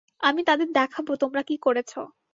আমি তাদের দেখাবো তোমরা কি করেছ।